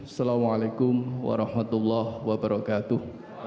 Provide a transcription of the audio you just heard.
assalamu'alaikum warahmatullah wabarakatuh